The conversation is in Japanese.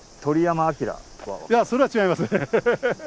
いやそれは違いますねヘヘヘヘ。